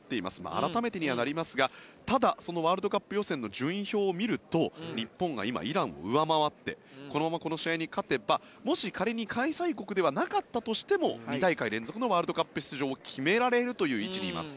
改めてにはなりますがただ、そのワールドカップ予選の順位表を見ると日本が今、イランを上回ってこのままこの試合に勝てばもし仮に開催国ではなかったとしても２大会連続のワールドカップ出場を決められるという位置にいます。